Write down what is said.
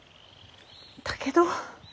だけど。